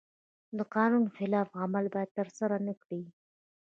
د قانون خلاف عمل باید ترسره نکړي.